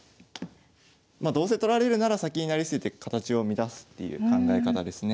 どうせ取られるなら先に成り捨てて形を乱すっていう考え方ですね。